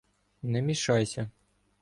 — Не мішайся.